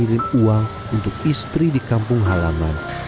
untuk membeli uang untuk istri di kampung halaman